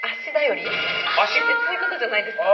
そういうことじゃないですか？